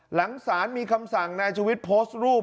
หลังศาลมีคำสั่งนายชวิตโพสต์รูป